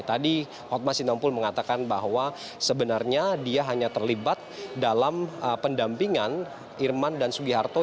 tadi hotmas sinompul mengatakan bahwa sebenarnya dia hanya terlibat dalam pendampingan herman dan sugi harto